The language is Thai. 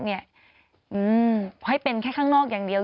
ให้เป็นแค่ข้างนอกอย่างเดียว